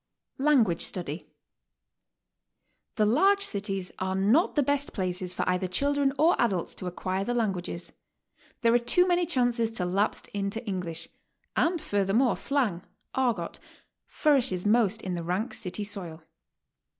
L.\NGUAGE STUDY. The large cities are not the best places for either children or adults to acquire the languages. There are too many chances to lapse into English, and furthermore slang, "argot," flourishes most in the rank city soil.